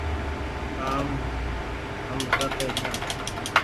ڪآم هم ڪر رهي ڇآن